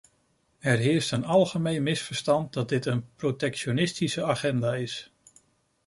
Er heerst een algemeen misverstand dat dit een protectionistische agenda is.